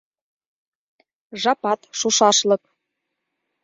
Жапат шушашлык.